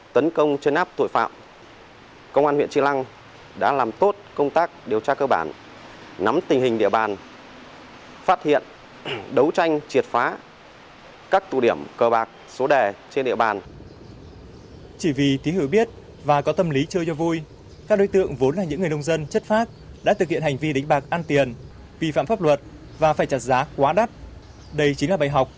trong thời gian qua tình hình cờ bạc số đề trên địa bàn huyện tri lăng diễn biến phức tạp